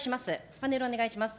パネルをお願いします。